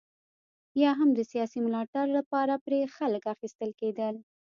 یا هم د سیاسي ملاتړ لپاره پرې خلک اخیستل کېدل.